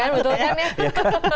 betul kan ya